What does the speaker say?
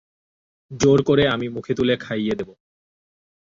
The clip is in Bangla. জোর করে আমি মুখে তুলে খাইয়ে দেব।